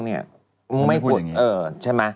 ไม่ฝึกใช่ไหมอยากถามกันนะ